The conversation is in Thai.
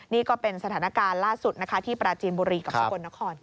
นี่ก็เป็นสถานการณ์ล่าสุดนะคะที่ปราจีนบุรีกับสกลนคร